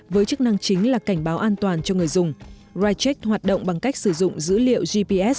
với chức năng chính là cảnh báo an toàn cho người dùng